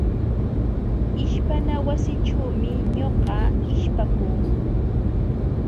Ishpana wasićhuumi ñuqa ishpakuu.